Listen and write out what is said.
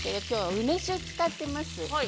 梅酒を使っています。